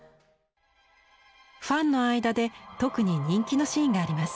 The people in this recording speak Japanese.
ファンの間で特に人気のシーンがあります。